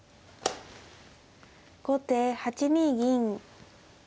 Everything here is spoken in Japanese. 後手８二銀。